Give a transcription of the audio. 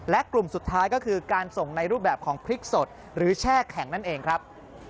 และกลุ่มสุดท้ายก็คือการส่งในรูปแบบของพริกสดหรือแช่แข็งนั่นเองครับ